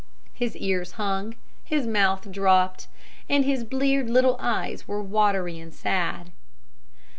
His ears hung, his mouth dropped, and his bleared little eyes were watery and sad.